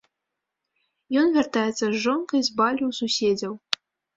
Ён вяртаецца з жонкай з балю ў суседзяў.